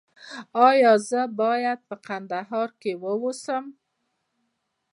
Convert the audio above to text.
ایا زه باید په کندهار کې اوسم؟